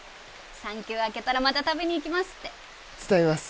産休明けたらまた食べに行きますって伝えます